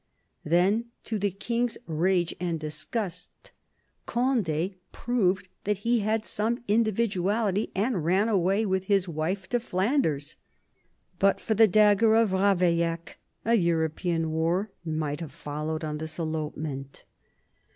Then, to the King's rage and disgust, Conde proved that he had some individuality, and ran away with his wife to Flanders. But for the dagger of Ravaillac, a European war might have followed on this elopement.